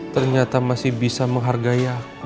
ternyata masih bisa menghargai